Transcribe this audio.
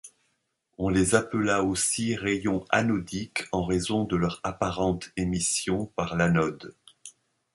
On les appela aussi rayons anodiques en raison de leur apparente émission par l'anode.